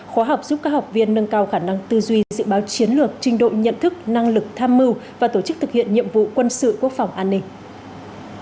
khóa học giúp các học viên nâng cao khả năng tư duy dự báo chiến lược trình độ nhận thức năng lực tham mưu và tổ chức thực hiện nhiệm vụ quân sự quốc phòng an ninh